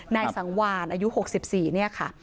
นายสังวานอายุ๖๔เนี่ยค่ะ